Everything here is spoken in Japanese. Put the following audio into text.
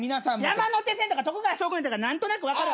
山手線とか徳川将軍とか何となく分かる。